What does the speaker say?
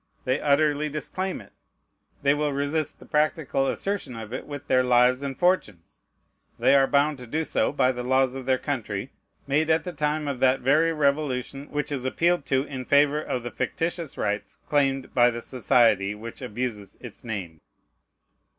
They utterly disclaim it. They will resist the practical assertion of it with their lives and fortunes. They are bound to do so by the laws of their country, made at the time of that very Revolution which is appealed to in favor of the fictitious rights claimed by the society which abuses its name.